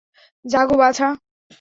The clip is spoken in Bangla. জাগো, বাছা।